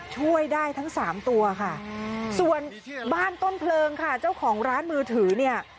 ช่วยได้ทั้งสามตัวค่ะส่วนบ้านต้นเพลิงค่ะเจ้าของร้านมือถือเนี่ย